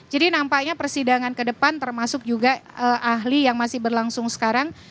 jadi nampaknya persidangan kedepan termasuk juga ahli yang masih berlangsung sekarang